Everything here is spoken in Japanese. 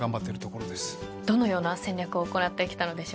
どのような戦略を行ってきたのでしょうか？